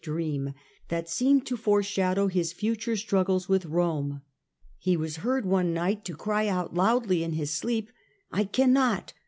28 STUPOR MUNDI dream, that seemed to foreshadow his future struggles with Rome. He was heard one night to cry out loudly in his sleep :" I cannot